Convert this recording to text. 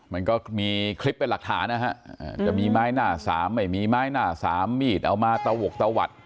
มันก็มีคลิปเป็นหลักฐานนะฮะจะมีไม้หน้าสามไม่มีไม้หน้าสามมีดเอามาตะหกตะวัด